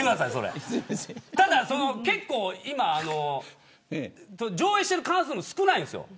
ただ結構、上映している館数が少ないんですよ。